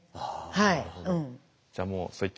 はい。